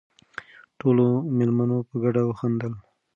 ټولو مېلمنو په ګډه وخندل.